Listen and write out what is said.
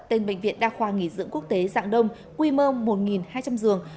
tên bệnh viện đa khoa nghỉ dưỡng quốc tế dạng đông quy mô một hai trăm linh giường